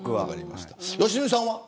良純さんは。